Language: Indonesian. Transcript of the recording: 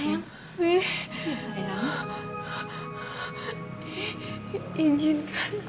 menderita kelainan jantung